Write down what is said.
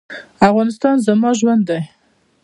افغانستان زما ژوند دی